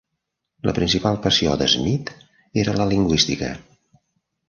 La principal passió de Schmidt era la lingüística.